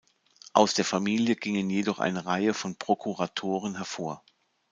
Aus der Familie gingen jedoch eine Reihe von Prokuratoren hervor.